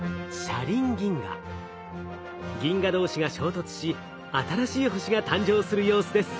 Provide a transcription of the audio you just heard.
銀河同士が衝突し新しい星が誕生する様子です。